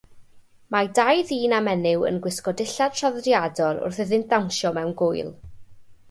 Mae dau ddyn a menyw yn gwisgo dillad traddodiadol wrth iddynt ddawnsio mewn gŵyl.